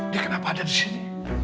dia kenapa ada disini